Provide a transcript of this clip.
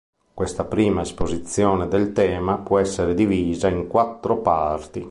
Questa prima esposizione del tema può essere divisa in quattro parti.